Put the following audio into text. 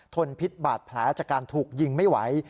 นพิษบาดแผลจากการถูกยิงไม่ไหว